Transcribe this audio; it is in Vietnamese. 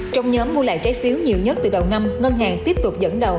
trong nhóm mua lại trái phiếu nhiều nhất từ đầu năm ngân hàng tiếp tục dẫn đầu